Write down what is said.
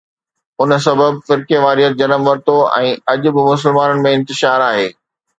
ان سبب فرقيواريت جنم ورتو ۽ اڄ به مسلمانن ۾ انتشار آهي.